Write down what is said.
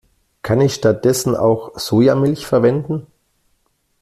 Kann ich stattdessen auch Sojamilch verwenden?